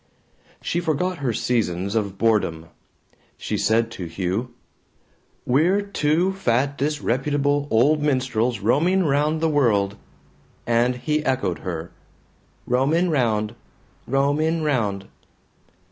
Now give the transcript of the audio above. She forgot her seasons of boredom. She said to Hugh, "We're two fat disreputable old minstrels roaming round the world," and he echoed her, "Roamin' round roamin' round."